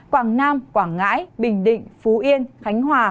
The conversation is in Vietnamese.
quảng nam quảng ngãi bình định phú yên khánh hòa